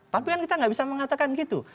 tapi kan kita nggak bisa mengatakan gitu